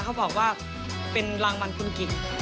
เขาบอกว่าเป็นรางวัลคุณกิจ